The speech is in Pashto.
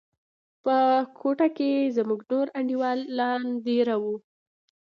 په کوټه کښې زموږ نور انډيوالان دېره وو.